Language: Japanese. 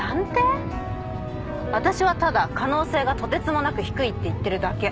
私はただ可能性がとてつもなく低いって言ってるだけ。